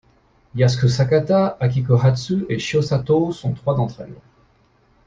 Yasuko Sakata, Akiko Hatsu et Shio Satō sont trois d'entre-elles.